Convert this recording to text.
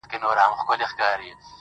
• اوس سپوږمۍ نسته اوس رڼا نلرم.